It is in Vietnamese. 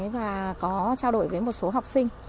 và có trao đổi với một số học sinh